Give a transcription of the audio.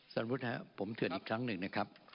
สารวุฒิครับผมเถื่อนอีกครั้งหนึ่งนะครับ